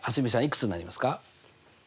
いくつになりますか？